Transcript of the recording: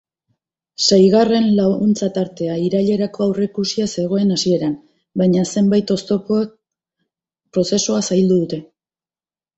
Seigarren laguntza-tartea irailerako aurreikusia zegoen hasieran, baina zenbait oztopok prozesua zaildu dute.